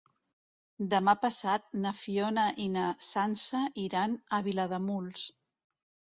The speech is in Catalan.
Demà passat na Fiona i na Sança iran a Vilademuls.